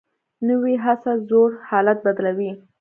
نوې هڅه زوړ حالت بدلوي